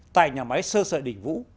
tại nhà máy sơ sợi đỉnh vũ